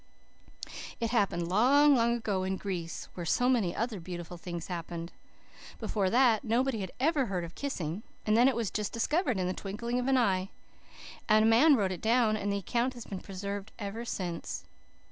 "It happened long, long ago in Greece where so many other beautiful things happened. Before that, nobody had ever heard of kissing. And then it was just discovered in the twinkling of an eye. And a man wrote it down and the account has been preserved ever since.